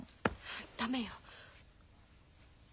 駄目よ。